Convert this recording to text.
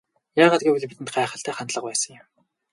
Яагаад гэвэл бидэнд гайхалтай хандлага байсан юм.